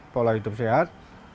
pola hidup sehat